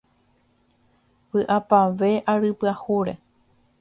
¡Vy’apavẽ ary pyahúre!